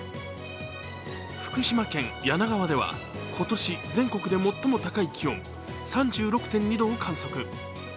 福島県梁川では今年全国で最も高い気温３６．２度を観測。